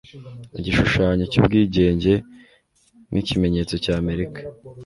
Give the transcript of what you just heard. Igishushanyo cyubwigenge nikimenyetso cya Amerika.